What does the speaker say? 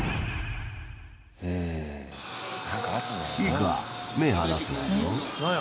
いいか、目を離すなよ。